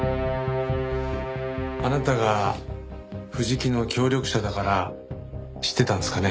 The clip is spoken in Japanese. あなたが藤木の協力者だから知ってたんですかね？